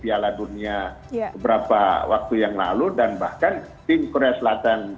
piala dunia beberapa waktu yang lalu dan bahkan tim korea selatan